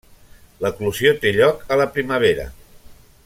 L'eclosió té lloc a la primavera.